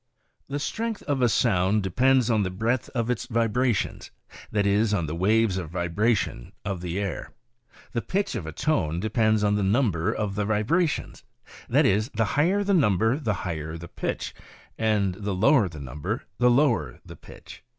The strength of a sound depends on the breadth of its vibra tions—that is, on the waves of vibration of the air. The pitch of a tone depends upon the number of the vibrations — that is, the higher the number the higher the pitch, and the lower the num ber the lower the pitch.